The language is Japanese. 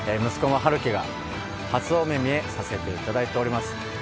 息子の陽喜が初お目見えさせていただいております。